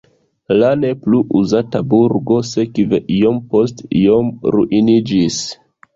La ne plu uzata burgo sekve iom post iom ruiniĝis.